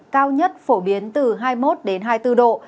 cao nhất phổ biến từ hai mươi một hai mươi bốn độ